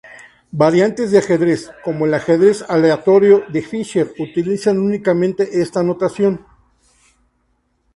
Variantes de ajedrez, como el ajedrez aleatorio de Fischer, utilizan únicamente esta notación.